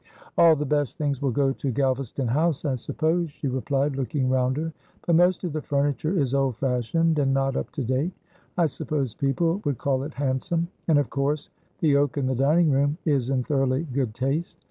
"All the best things will go to Galvaston House, I suppose," she replied, looking round her, "but most of the furniture is old fashioned and not up to date. I suppose people would call it handsome, and, of course, the oak in the dining room is in thoroughly good taste.